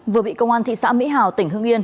vừa bị công an thị xã mỹ hào tỉnh hưng yên